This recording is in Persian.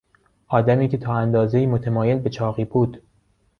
آدمی که تا اندازهای متمایل به چاقی بود